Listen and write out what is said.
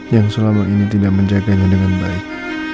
yang selama ini tidak menjaganya dengan baik